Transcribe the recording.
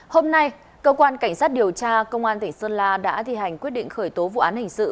hôm nay cơ quan cảnh sát điều tra công an tỉnh sơn la đã thi hành quyết định khởi tố vụ án hình sự